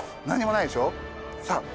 何もないでしょ？